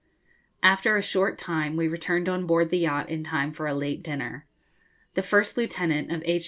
After a short time we returned on board the yacht in time for a late dinner. The first lieutenant of H.